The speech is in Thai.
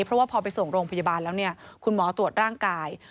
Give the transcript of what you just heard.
เพราะว่าพอไปส่งโรงพยาบาลแล้วเนี่ยคุณหมอตรวจร่างกาย